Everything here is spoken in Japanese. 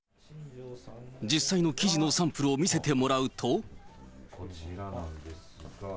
実際の生地のサンプルを見せてもらうと。